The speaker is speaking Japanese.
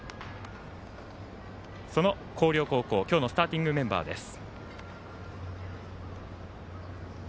その広陵高校、今日のスターティングメンバーです。